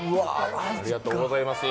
ありがとうございます。